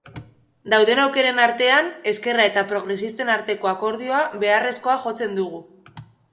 Dauden aukeren artean, ezkerra eta progresisten arteko akordioa beharrezkoa jotzen dugu.